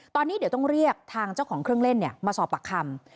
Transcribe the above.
ตอนนี้เดี๋ยวต้องเรียกทางเจ้าของเครื่องเล่นมาสอบปากคำ